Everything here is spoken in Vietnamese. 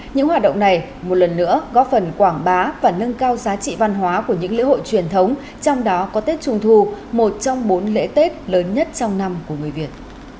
những hoạt động này một lần nữa góp phần quảng bá và nâng cao giá trị văn hóa của những lễ hội truyền thống trong đó có tết trung thu một trong bốn lễ tết lớn nhất trong năm của người việt